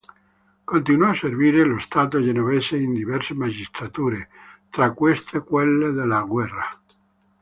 Continuò a servire lo stato genovese in diverse magistrature, tra queste quella della Guerra.